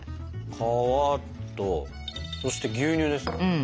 皮とそして牛乳ですね。